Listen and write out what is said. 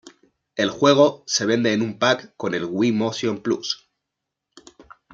El juego se vende en un pack con el Wii Motion Plus.